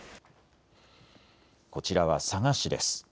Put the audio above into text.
こちらは佐賀市です。